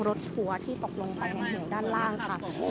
และเวลามันต่อคือคือนี้เนี่ย